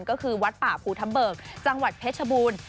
ก็คือวัดป่าภูทับเบิกจังหวัดเพชรบูรณ์